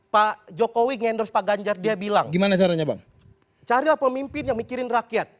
pak jokowi ngendorse pak ganjar dia bilang gimana caranya bang carilah pemimpin yang mikirin rakyat